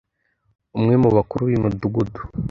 umwe mu bakuru b’imidugudu